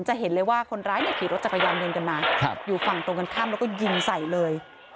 จะเห็นเลยว่าคนร้ายขี่รถจักรยานยนต์กันมาอยู่ฝั่งตรงกันข้ามแล้วก็ยิงใส่เลย